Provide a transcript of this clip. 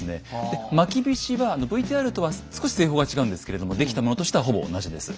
でまきびしはＶＴＲとは少し製法が違うんですけれども出来たものとしてはほぼ同じです。